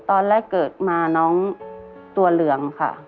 ตอนแรกเกิดมาน้องตัวเหลืองค่ะ